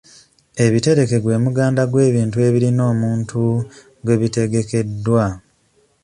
Ebitereke gwe muganda gw'ebintu ebirina omuntu gwe bitegekeddwa.